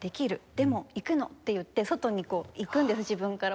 「でも行くの」って言って外に行くんです自分から。